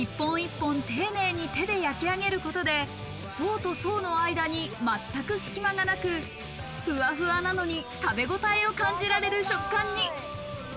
一本一本、丁寧に手で焼き上げることで層と層の間に全く隙間がなく、ふわふわなのに食べごたえを感じられる食感に。